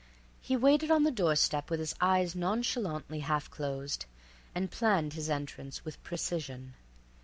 He waited on the door step with his eyes nonchalantly half closed, and planned his entrance with precision.